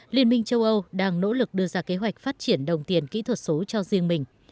liên minh châu âu đang nỗ lực đưa ra kế hoạch phát triển đồng tiền kỹ thuật số cho riêng mình